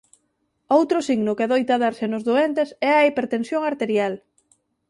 Outro signo que adoita darse nos doentes é a hipertensión arterial.